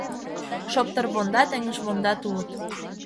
Шоптырвондат, эҥыжвондат улыт.